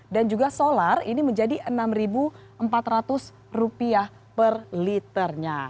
dan juga solar ini menjadi rp enam empat ratus per liternya